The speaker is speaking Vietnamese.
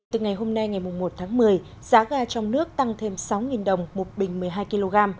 từ ngày hôm nay ngày một tháng một mươi giá gà trong nước tăng thêm sáu đồng một bình một mươi hai kg